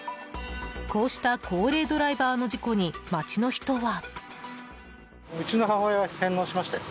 こうした高齢ドライバーの事故に街の人は。